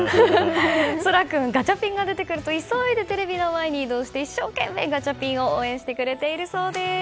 大空君、ガチャピンが出てくると急いでテレビの前に移動して一生懸命、ガチャピンを応援してくれているそうです。